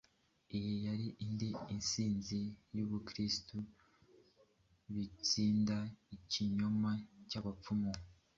Iyi yari indi nsinzi y’Ubukristo butsinda ikinyoma n’ubupfumu.